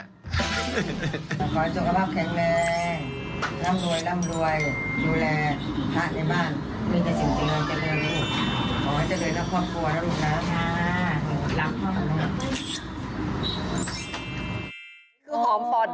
หอมความสุขกระบาดแข็งแรงร่ำรวยดูแลพระในบ้านมีในสิ่งจริงจะเรียน